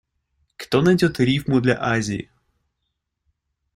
Кто найдёт рифму для «Азии»?